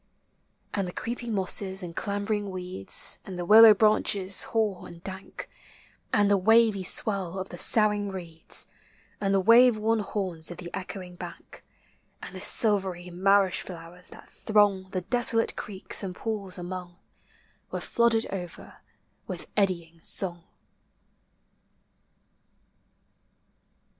And the creeping mosses and clambering weeds, And the willow branches hoar and dank, And the wavy swell of the soughing reeds, And the wave worn horns of the echoing bank, And the silvery marish flowers that throng The desolate creeks and pools among, Were flooded over with eddying song.